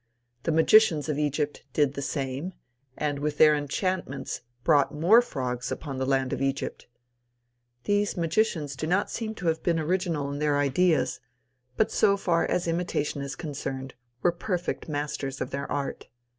The magicians of Egypt did the same, and with their enchantments brought more frogs upon the land of Egypt These magicians do not seem to have been original in their ideas, but so far as imitation is concerned, were perfect masters of their art.